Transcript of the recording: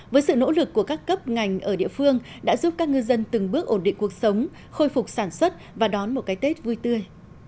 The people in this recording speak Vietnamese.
với sự nỗ lực của các cấp ngành ở địa phương đã giúp các ngư dân từng bước ổn định cuộc sống khôi phục sản xuất và đón một cái tết vui tươi